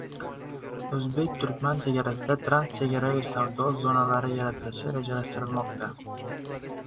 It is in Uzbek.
O‘zbek-turkman chegarasida transchegaraviy savdo zonalari yaratilishi rejalashtirilmoqda